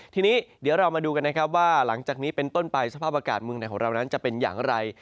ทีนี้เดี๋ยวเรามาดูกันนะครับว่าหลังจากนี้เป็นต้นไปสภาพอากาศเมืองไหนของเรานั้นจะเป็นอย่างไร